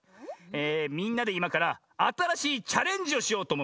みんなでいまからあたらしいチャレンジをしようとおもいまして。